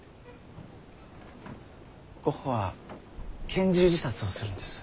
ゴッホは拳銃自殺をするんです。